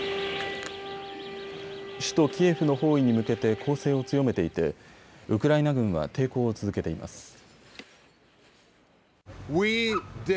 首都キエフの包囲に向けて攻勢を強めていてウクライナ軍は抵抗を続けています。